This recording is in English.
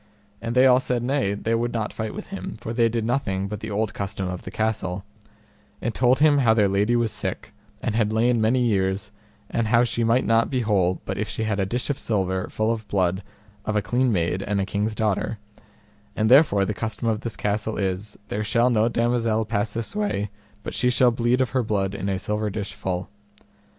And they all said nay, they would not fight with him, for they did nothing but the old custom of the castle; and told him how their lady was sick, and had lain many years, and she might not be whole but if she had a dish of silver full of blood of a clean maid and a king's daughter; and therefore the custom of this castle is, there shall no damosel pass this way but she shall bleed of her blood in a silver dish full.